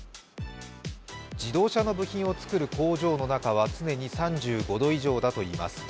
自動車の部品をつくる工場の中は常に３５度以上だといいます。